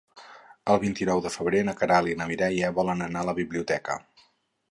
El vint-i-nou de febrer na Queralt i na Mireia volen anar a la biblioteca.